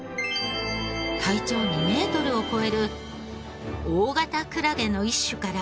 体長２メートルを超える大型クラゲの一種から。